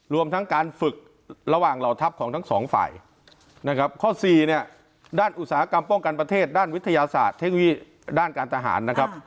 รวมทั้งการฝึกระหว่างเหล่าทัพของทั้ง๒ฝ่ายข้อ๔ด้านอุตสาหกรรมป้องกันประเทศด้านวิทยาศาสตร์ด้านการทหารนะครับ